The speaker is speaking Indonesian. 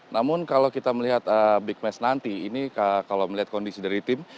namun kalau kita melihat big match nanti ini kalau melihat kondisi dari tim